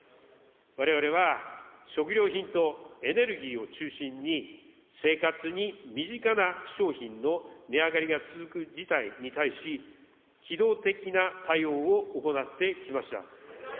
われわれは食料品とエネルギーを中心に、生活に身近な商品の値上がりが続く事態に対し、機動的な対応を行ってきました。